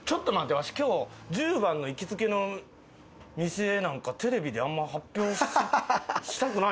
わし今日十番の行きつけの店なんかテレビであんま発表したくない。